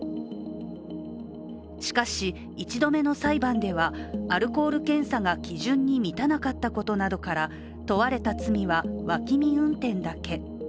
しかし、１度目の裁判では、アルコール検査が基準に満たなかったことなどから問われた罪は脇見運転だけ。